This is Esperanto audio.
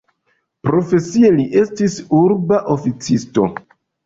Profesie li estis urba oficisto.